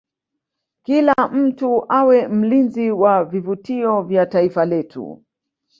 kila mtu awe mlinzi wa vivutio vya taifa letu